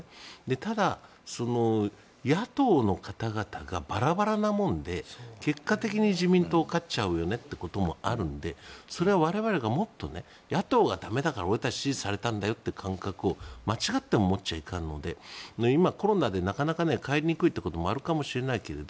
ただ、野党の方々がバラバラなもので結果的に自民党勝っちゃうよねってこともあるのでそれは我々がもっと野党が駄目だから俺たちは支持されたんだよという感覚を間違っても持っちゃいかんので今、コロナでなかなか帰りにくいということもあるかもしれないけれど